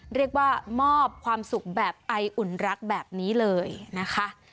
เรียกว่ามอบความสุขแบบไออุ่นรักแบบนี้เลยนะคะ